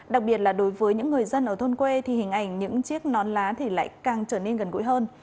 đặc biệt là đối với những người dân ở thôn quê thì hình ảnh những chiếc non lá thì lại càng trở nên gần gũi hơn